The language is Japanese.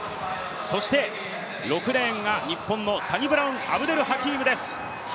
そして、６レーンが日本のサニブラウン・アブデル・ハキームです。